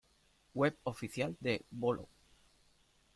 Web Oficial de "Bolo"